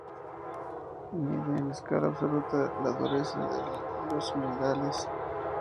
Mide en escala absoluta la dureza de los minerales.